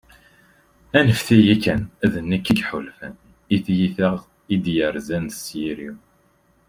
anfet-iyi kan, d nekk i yeḥulfan, i tyita i d-yerzan s iri-w